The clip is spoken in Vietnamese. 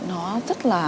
nó rất là